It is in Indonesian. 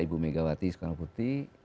ibu megawati soekarnopurti